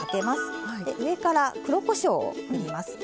で上から黒こしょうをふります。